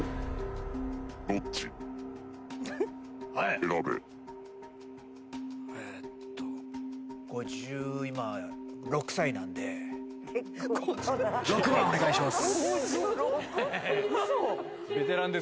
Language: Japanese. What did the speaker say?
今５６歳なんで、６番お願いします！